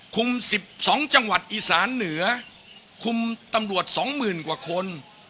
คุมสิบสองจังหวัดอีสานเหนือคุมตำรวจสองหมื่นกว่าคน